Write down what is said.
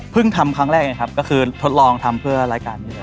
ทำครั้งแรกนะครับก็คือทดลองทำเพื่อรายการนี้